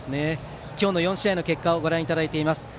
今日の４試合の結果をご覧いただいています。